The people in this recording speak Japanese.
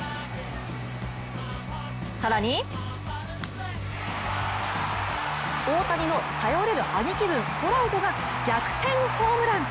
更に大谷の頼れる兄貴分トラウトが逆転ホームラン。